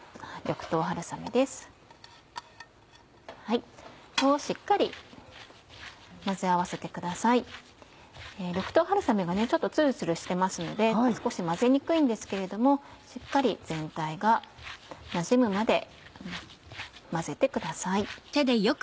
緑豆春雨がツルツルしてますので少し混ぜにくいんですけれどもしっかり全体がなじむまで混ぜてください。